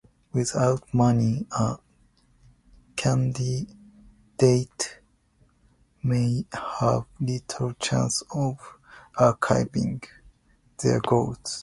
Without money, a candidate may have little chance of achieving their goal.